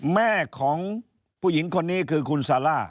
แม่ของผู้หญิงคนนี้คือคุณซาร่า